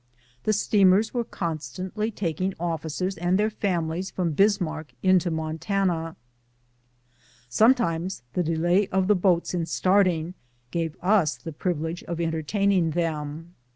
The steamers were constant ly taking officers and their families from Bismarck into Montana. Sometimes the delay of the boats in starting gave us the privilege of entertaining them.